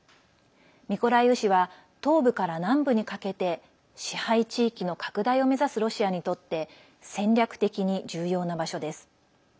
ミコライウ市は東部から南部にかけて支配地域の拡大を目指すロシアにとって戦略的に重要な場所です。